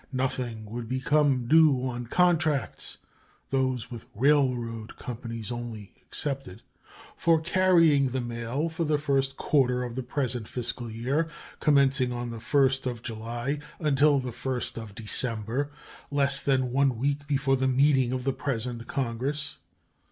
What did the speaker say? Nothing would become due on contracts (those with railroad companies only excepted) for carrying the mail for the first quarter of the present fiscal year, commencing on the 1st of July, until the 1st of December less than one week before the meeting of the present Congress.